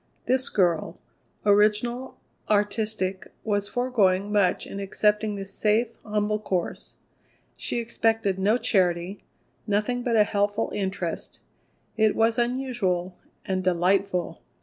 This girl, original, artistic, was foregoing much in accepting this safe, humble course. She expected no charity, nothing but a helpful interest. It was unusual and delightful.